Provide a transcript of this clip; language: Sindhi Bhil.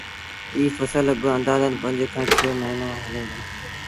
ايٚ ڦسل با آݩدآزن پنج کآݩ ڇه موهيݩآݩ هلي دو